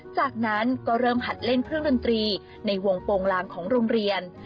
จากนั้นก็เริ่มหัดเล่นเครื่องดนตรีในวงโปรงลางของโรงเรียน